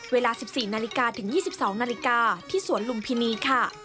เวลา๑๔นาฬิกาถึง๒๒นาฬิกาที่สวนลุมพินีค่ะ